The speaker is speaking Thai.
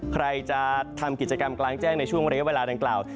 ใครจะทำกิจกรรมกลางแจ้งในช่วงเรียกเวลาดังกล่าว